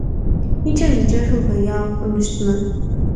Икӏэм-икӏэжым бэяу, хъуну щытмэ!